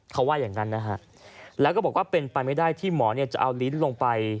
เค้าว่าอย่างนั้นนะคะแล้วก็ว่าเป็นปัญหาที่หมอเอาลิ้นลงไป